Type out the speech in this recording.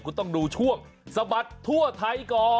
คุณต้องดูช่วงสะบัดทั่วไทยก่อน